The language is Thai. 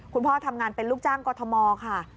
คุณพ่อทำงานเป็นลูกจ้างกอทมค่ะ